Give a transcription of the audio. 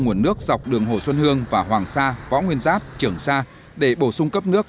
nguồn nước dọc đường hồ xuân hương và hoàng sa võ nguyên giáp trường sa để bổ sung cấp nước